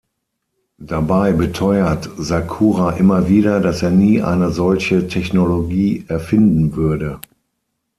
Dabei beteuert Sakura immer wieder, dass er nie eine solche Technologie erfinden würde.